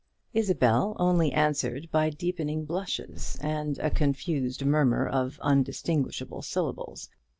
Isabel only answered by deepening blushes and a confused murmur of undistinguishable syllables.